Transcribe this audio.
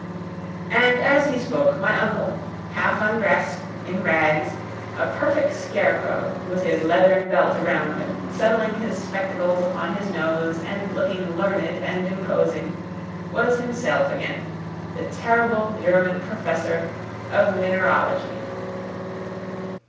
And as he spoke, my uncle, half undressed, in rags, a perfect scarecrow, with his leathern belt around him, settling his spectacles upon his nose and looking learned and imposing, was himself again, the terrible German professor of mineralogy.